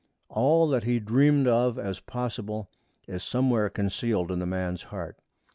All that he dreamed of as possible is somewhere concealed in the man's heart.